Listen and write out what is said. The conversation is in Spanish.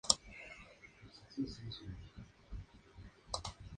Por ello, su obra será rescatada en varias lenguas.